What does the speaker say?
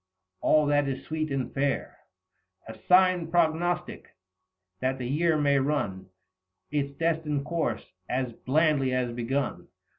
All that is sweet and fair ; A sign prognostic that the year may run Its destined course as blandly as begun."